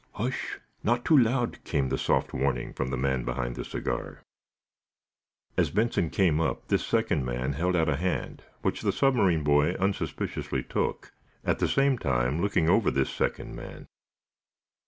"Hush! Not too loud," came the soft warning from the man behind the cigar. As Benson came up this second man held out a hand, which the submarine boy unsuspiciously took, at the same time looking over this second man.